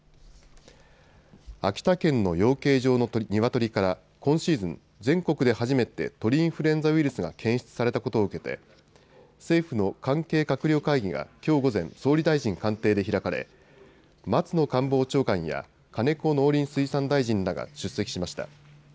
秋田県の養鶏場のニワトリから今シーズン、全国で初めて鳥インフルエンザウイルスが検出されたことを受けて政府の関係閣僚会議がきょう午前、総理大臣官邸で開かれ松野官房長官や金子農林水産大臣らが出席しました。